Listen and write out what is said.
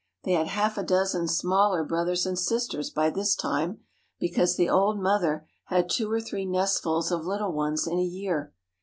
They had half a dozen smaller brothers and sisters by this time, because the old mother had two or three nestfuls of little ones in a year.